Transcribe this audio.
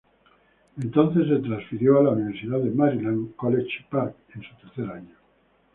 Entonces se transfirió a la Universidad de Maryland, College Park, en su tercer año.